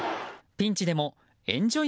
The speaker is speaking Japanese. ピンチでもエンジョイ